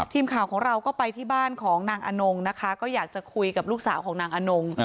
ทีมข่าวของเราก็ไปที่บ้านของนางอนงนะคะก็อยากจะคุยกับลูกสาวของนางอนง